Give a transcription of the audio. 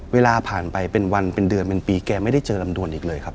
เวลาผ่านไปเป็นวันเป็นเดือนเป็นปีแกไม่ได้เจอลำดวนอีกเลยครับ